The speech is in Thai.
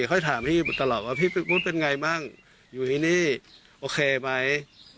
ค่อยถามพี่ตลอดว่าพี่วุฒิเป็นไงบ้างอยู่ที่นี่โอเคไหม